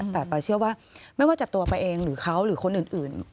แต่ป๊าเชื่อว่าไม่ว่าจะตัวไปเองหรือเขาหรือคนอื่น